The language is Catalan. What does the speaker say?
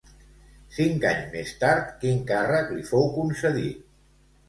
Cinc anys més tard, quin càrrec li fou concedit?